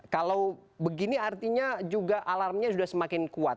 kalau begini artinya juga alamnya sudah semakin kuat